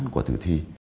của tử thi